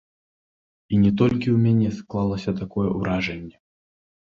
І не толькі ў мяне склалася такое ўражанне.